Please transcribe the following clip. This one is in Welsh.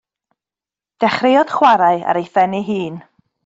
Dechreuodd chwarae ar ei phen ei hun.